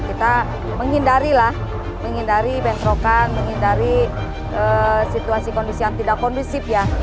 kita menghindari lah menghindari bentrokan menghindari situasi kondisi yang tidak kondusif ya